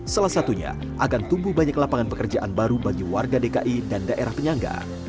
salah satunya akan tumbuh banyak lapangan pekerjaan baru bagi warga dki dan daerah penyangga